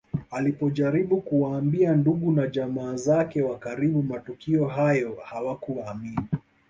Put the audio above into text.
Alipojaribu kuwaambia ndugu na jamaa zake wa karibu matukio hayo hawakuamini